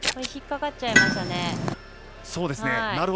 引っ掛かっちゃいました。